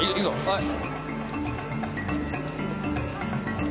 はい。